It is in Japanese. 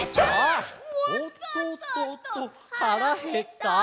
「おっとっとっと腹減った」